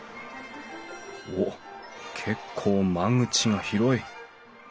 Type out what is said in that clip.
おっ結構間口が広い。